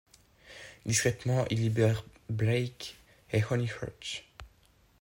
Discrètement, il libère Blake et Honeychurch.